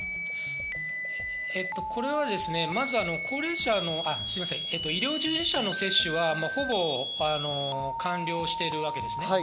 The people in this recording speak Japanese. これはですね、まず高齢者の、すみません、医療従事者の接種はほぼ完了しているわけです。